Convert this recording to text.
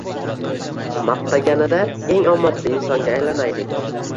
Maqtaganida eng omadli insonga aylanaylik!